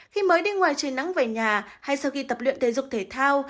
khi mới đi ngoài trời nắng về nhà hay sau khi tập luyện thể dục thể thao